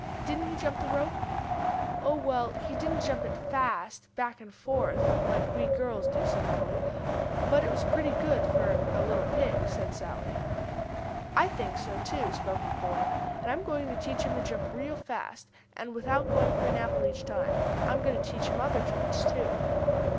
"Didn't he jump the rope?" "Oh, well, but he didn't jump it fast, back and forth, like we girls do," said Mollie. "But it was pretty good for a little pig," said Sallie. "I think so, too," spoke the boy. "And I am going to teach him to jump real fast, and without going for an apple each time. I'm going to teach him other tricks, too."